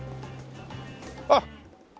あっ！